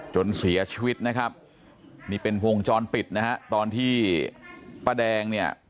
จนเสียชีวิตนะครับนี่เป็นวงจรปิดนะฮะตอนที่ป้าแดงเนี่ย